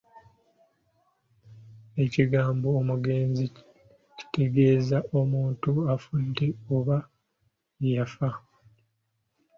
Ekigambo omugenzi kitegeeza omuntu afudde oba eyafa.